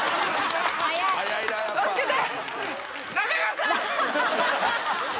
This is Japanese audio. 助けて。